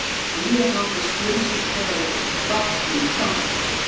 The helihopper's flimsy carriage bucked and crumpled.